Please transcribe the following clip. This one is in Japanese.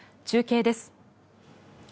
中継です。